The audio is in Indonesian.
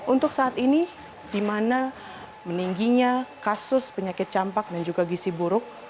untuk saat ini di mana meningginya kasus penyakit campak dan juga gisi buruk